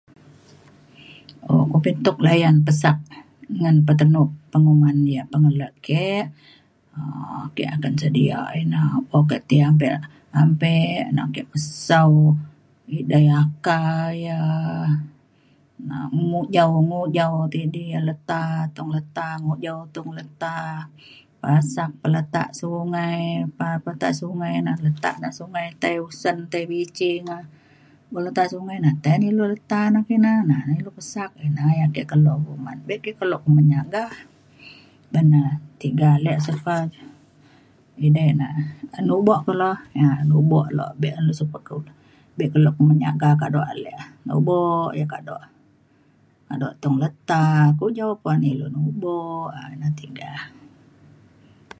um kumbin tuk layan pesak ngan petenup penguman yak pengelo ke. um ake akan sedia ina ukok ke ti ampe ampe ake pesau ida aka ia’ na mujau mujau ti di leta tung leta ngujau tung leta pesak peletak sungai pa pa ta sungai na letak sungai tai usen tai bicing na. buk letak sungai na tai na ilu leta na kina. na na ilu pesak ina yak ake kelo kuman. be ke kelo kuman nyaga ban na tiga ale sio pa edei na nubok kulo ia’ nubok lok be’un suka be kelo kuman nyaga kado ale. nubo yak kado kado tung leta kujau kuan ilu nubo um ngan tiga